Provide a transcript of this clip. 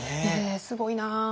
すごいな。